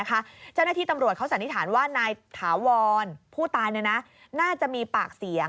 เจ้าหน้าที่ตำรวจเขาสันนิษฐานว่านายถาวรผู้ตายน่าจะมีปากเสียง